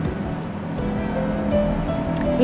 dia cuma bisa bisanya irfan aja